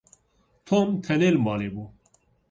Tom tenê li malê bû.